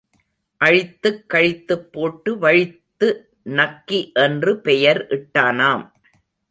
அழித்துக் கழித்துப் போட்டு வழித்து நக்கி என்று பெயர் இட்டானாம்!